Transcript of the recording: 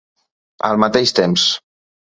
Al mateix temps.